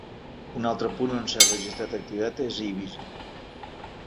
Un altre punt on s’ha registrat activitat és Eivissa.